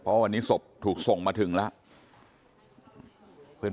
เพราะวันนี้ศพถูกส่งมาถึงแล้ว